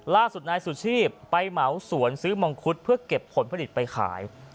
ล่าสุดนายสุชีพไปเหมาสวนซื้อมังคุดเพื่อเก็บผลผลิตไปขาย